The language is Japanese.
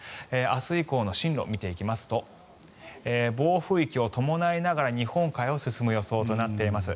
明日以降の進路を見ていきますと暴風域を伴いながら日本海を進む予想となっています。